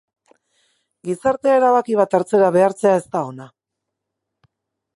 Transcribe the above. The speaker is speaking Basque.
Gizartea erabaki bat hartzera behartzea ez da ona.